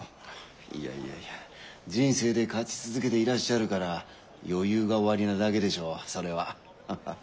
いやいやいや人生で勝ち続けていらっしゃるから余裕がおありなだけでしょうそれは。ハハハ。